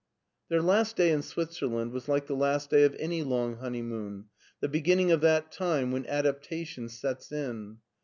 Their last day in Switzerland was like the last day of any long honeymoon — ^the beginning of that time when adaptation sets in.